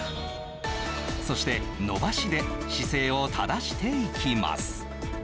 そして「伸ばし」で姿勢を正していきます